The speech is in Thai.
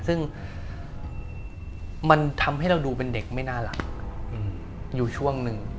ซึ่งมันทำให้เราดูเป็นเด็กไม่น่ารักอยู่ช่วงหนึ่ง